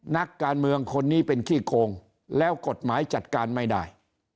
นักการเมืองคนนี้เป็นขี้โกงแล้วกฎหมายจัดการไม่ได้